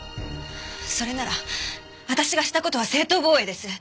それなら私がした事は正当防衛です！